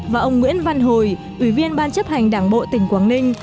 và ông nguyễn văn hồi ủy viên ban chấp hành đảng bộ tỉnh quảng ninh